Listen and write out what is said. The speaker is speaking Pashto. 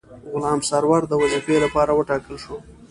غلام سرور د وظیفې لپاره وټاکل شو.